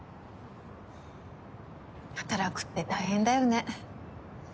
はぁ働くって大変だよね。